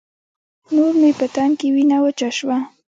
نور مې په تن کې وينه وچه شوه.